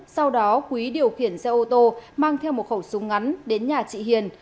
sau đó quý điều khiển xe ô tô mang theo một khẩu súng ngắn đến nhà chị hiền